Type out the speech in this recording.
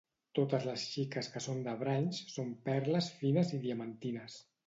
Totes les xiques que són de Brines, són perles fines i diamantines.